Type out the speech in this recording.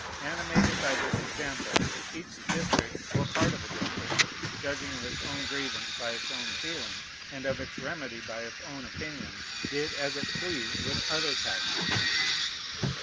Animated by this example, each district, or part of a district, judging of its own grievance by its own feeling, and of its remedy by its own opinion, did as it pleased with other taxes.